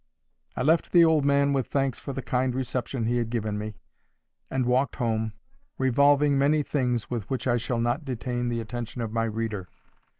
I left the old man with thanks for the kind reception he had given me, and walked home, revolving many things with which I shall not detain the attention of my reader.